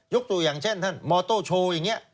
ตัวอย่างเช่นท่านมอโต้โชว์อย่างนี้